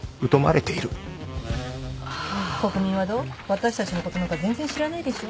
私たちのことなんか全然知らないでしょ。